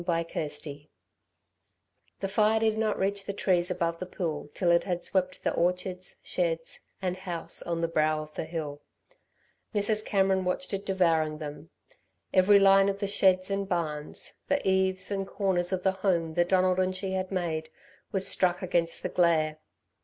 CHAPTER XV The fire did not reach the trees above the pool till it had swept the orchards, sheds, and house on the brow of the hill. Mrs. Cameron watched it devouring them. Every line of the sheds and barns, the eaves and corners of the home that Donald and she had made, was struck against the glare.